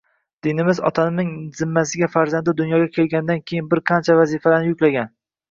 Dinimiz otaning zimmasiga farzandi dunyoga kelgandan keyin bir qancha vazifalarni yuklagan